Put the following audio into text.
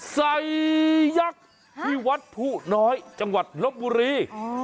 ยักษ์ที่วัดผู้น้อยจังหวัดลบบุรี